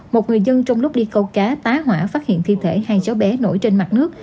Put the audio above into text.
một người dân trong lúc đi câu cá tái hỏa phát hiện thi thể hai cháu bé nổi trên mặt nước